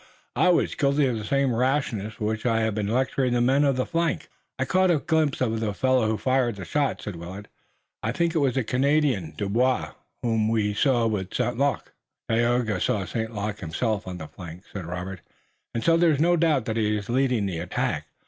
I was guilty of the same rashness, for which I have been lecturing the men on the flank." "I caught a glimpse of the fellow who fired the shot," said Willet. "I think it was the Canadian, Dubois, whom we saw with St. Luc." "Tayoga saw St. Luc himself on the flank," said Robert, "and so there is no doubt that he is leading the attack.